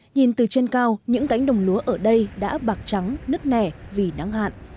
nhìn từ trên cao những cánh đồng lúa ở đây đã bạc trắng nứt nẻ vì nắng hạn